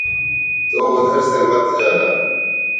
تم ادھر سے مت جانا